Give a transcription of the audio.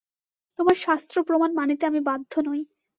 তোমার শাস্ত্র-প্রমাণ মানিতে আমি বাধ্য নই।